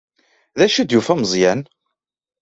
D acu ay d-yufa Meẓyan?